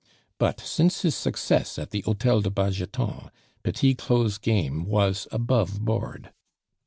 But since his success at the Hotel de Bargeton, Petit Claud's game was above board.